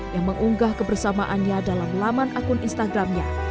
yang mengunggah kebersamaannya dalam laman akun instagramnya